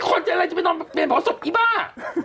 คนจะอะไรจะไปนอนเมนเผาศพอีบ้า